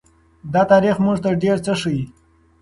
دا تاریخ موږ ته ډېر څه ښيي.